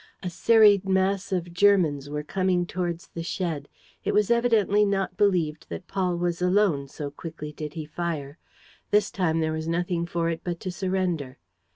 A serried mass of Germans were coming towards the shed. It was evidently not believed that Paul was alone, so quickly did he fire. This time there was nothing for it but to surrender.